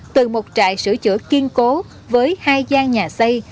từ một trại sửa chữa kiên cố với hai gian nhà xây